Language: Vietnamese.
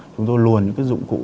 chúng tôi luồn những dụng cụ